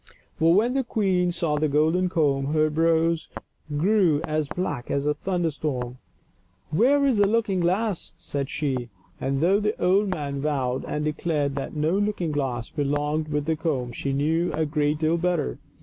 But when the queen saw the golden comb her brows grew as black as a thunder storm. " Where is the looking glass ?" said she ; and though the old man vowed and declared that no looking glass belonged with the comb, she knew a great deal better.